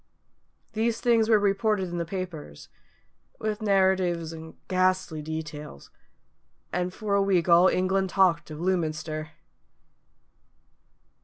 These things were reported in the papers, with narratives and ghastly details, and for a week all England talked of Lewminster.